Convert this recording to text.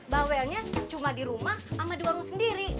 bawelnya cuma di rumah sama di warung sendiri